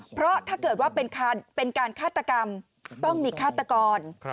เพราะถ้าเกิดว่าเป็นการฆาตกรรมต้องมีฆาตกร